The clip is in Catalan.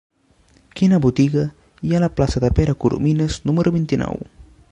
Quina botiga hi ha a la plaça de Pere Coromines número vint-i-nou?